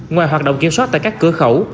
ngoài hoạt động kiểm soát tại các cửa khẩu